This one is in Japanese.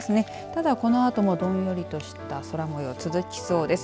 ただ、このあと、どんよりとした空もよう、続きそうです。